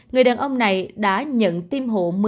người đàn ông này đã nhận tiêm hộ